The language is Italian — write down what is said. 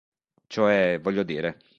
Cioè... voglio dire...